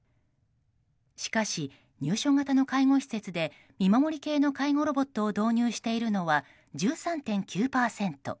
しかし、入所型の介護施設で見守り系の介護ロボットを導入しているのは１３．９％。